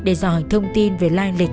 để dòi thông tin về lai lịch